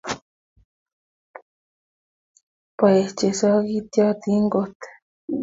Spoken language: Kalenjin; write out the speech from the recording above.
Ba-ei che sogityotin kot;